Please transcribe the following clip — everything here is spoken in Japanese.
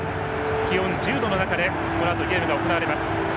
気温１０度の中でこのあとゲームが行われます。